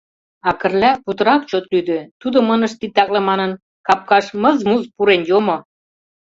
А Кырля путырак чот лӱдӧ, тудым ынышт титакле манын, капкаш мыз-муз пурен йомо.